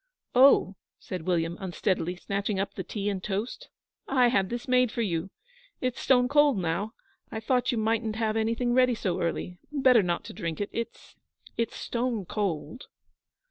'Oh,' said William, unsteadily, snatching up the tea and toast, 'I had this made for you. It's stone cold now. I thought you mightn't have anything ready so early. Better not drink it. It's it's stone cold.'